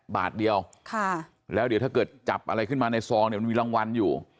บาทเดียวแล้วเดี๋ยวถ้าเกิดจับอะไรขึ้นมาในซองเนี่ยมันมีรางวัลอยู่